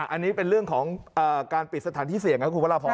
อันนี้เป็นเรื่องของการปิดสถานที่เสี่ยงครับคุณพระราพร